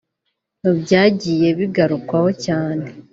Mu byagiye bigarukwaho cyane